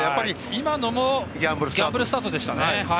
今のもギャンブルスタートでしたね。